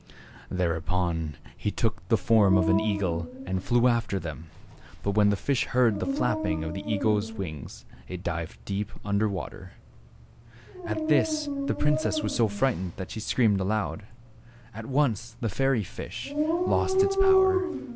Thereupon he took the form of an eagle and flew after them. But when the fish heard the flapping of the eagle's wings, it dived deep under the water. At this the princess was so frightened that she screamed aloud. At once the fairy fish lost its power.